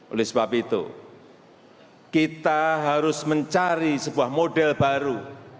oleh sebab itu kita harus mencari sebuah model baru